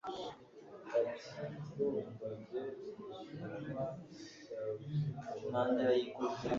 Ati: Ndumva jye Gisuma cya Rusekabahunga